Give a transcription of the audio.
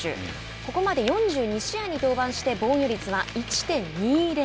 ここまで４２試合に登板して防御率は１．２０。